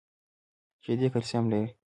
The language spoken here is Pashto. شیدې کلسیم لري